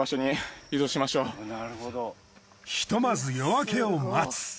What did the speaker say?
ひとまず夜明けを待つ。